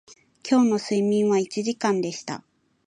今日の睡眠は一時間でした